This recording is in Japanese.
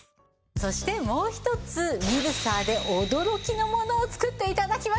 そしてもう一つミルサーで驚きのものを作って頂きましょう。